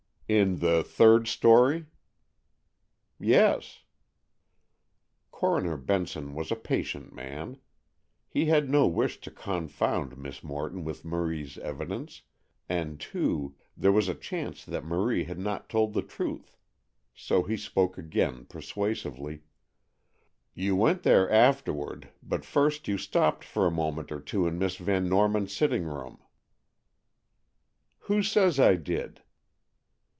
"In the third story?" "Yes." Coroner Benson was a patient man. He had no wish to confound Miss Morton with Marie's evidence, and too, there was a chance that Marie had not told the truth. So he spoke again persuasively: "You went there afterward, but first you stopped for a moment or two in Miss Van Norman's sitting room." "Who says I did?"